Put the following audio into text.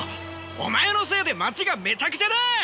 お前のせいで街がめちゃくちゃだ！